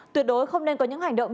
tuyệt đối không nên có những hành động